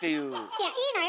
いやいいのよ？